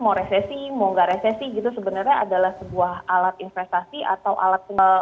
mau resesi mau tidak resesi itu sebenarnya adalah sebuah alat investasi atau alat penyimpanan